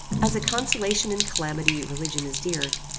As a consolation in calamity religion is dear.